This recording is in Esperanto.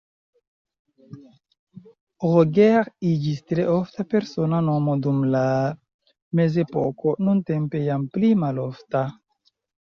Roger iĝis tre ofta persona nomo dum la mezepoko, nuntempe jam pli malofta.